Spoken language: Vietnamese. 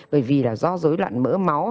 bởi vì là do dối luận mỡ máu